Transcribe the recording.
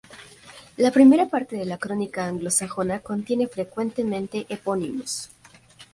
La primera parte de la Crónica anglosajona contiene frecuentemente epónimos.